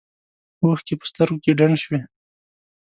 اوښکې په سترګو کې ډنډ شوې.